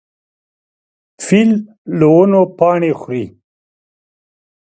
فیل له ونو پاڼې خوري.